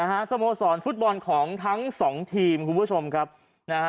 สโมสรฟุตบอลของทั้งสองทีมคุณผู้ชมครับนะฮะ